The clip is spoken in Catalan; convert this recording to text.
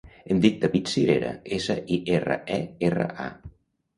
Em dic David Sirera: essa, i, erra, e, erra, a.